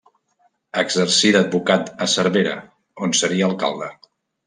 Exercí d'advocat a Cervera, on seria alcalde.